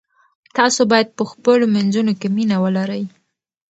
تاسو باید په خپلو منځونو کې مینه ولرئ.